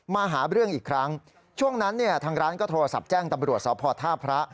มาหาเรื่องอีกครั้งช่วงนั้นเนี่ยทางร้านก็โทรศัพท์แจ้งตำรวจสพท่าพระ